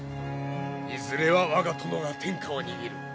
いずれは我が殿が天下を握る。